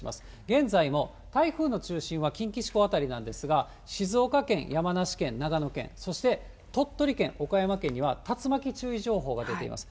現在も台風の中心は近畿地方辺りなんですが、静岡県、山梨県、長野県、そして鳥取県、岡山県には竜巻注意情報が出ています。